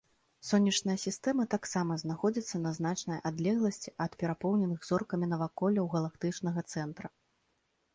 Сонечная сістэма таксама знаходзіцца на значнай адлегласці ад перапоўненых зоркамі наваколляў галактычнага цэнтра.